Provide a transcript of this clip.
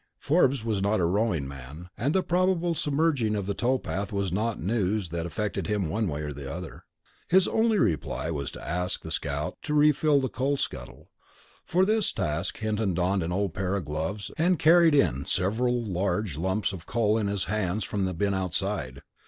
Forbes was not a rowing man, and the probable submerging of the towpath was not news that affected him one way or the other. His only reply was to ask the scout to refill the coal scuttle. For this task Hinton donned an old pair of gloves and carried in several large lumps of coal in his hands from the bin outside.